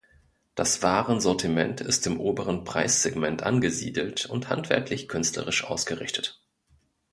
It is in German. Das Warensortiment ist im oberen Preissegment angesiedelt und handwerklich-künstlerisch ausgerichtet.